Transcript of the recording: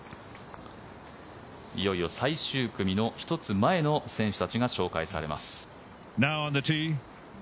いよいよ最終組の１つ前の選手たちが紹介されます。